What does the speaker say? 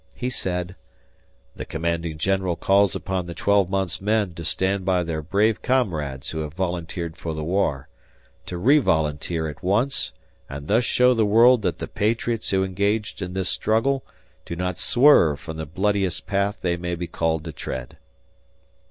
He said: The Commanding General calls upon the twelve months' men to stand by their brave comrades who have volunteered for the war, to revolunteer at once and thus show the world that the patriots who engaged in this struggle do not swerve from the bloodiest path they may be called to tread.